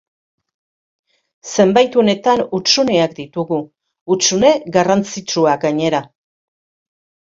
Zenbait unetan hutsuneak ditugu, hutsune garrantzitsuak gainera.